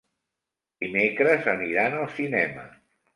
Dimecres aniran al cinema.